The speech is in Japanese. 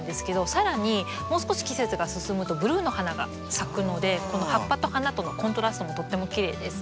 更にもう少し季節が進むとブルーの花が咲くのでこの葉っぱと花とのコントラストもとってもきれいです。